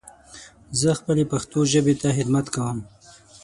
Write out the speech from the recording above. زه خپلې پښتو ژبې ته خدمت کوم.